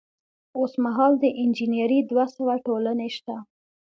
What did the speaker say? اوس مهال د انجنیری دوه سوه ټولنې شته.